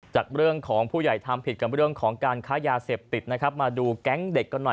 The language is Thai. จากเรื่องของผู้ใหญ่ทำผิดกับเรื่องของการค้ายาเสพติดนะครับมาดูแก๊งเด็กกันหน่อย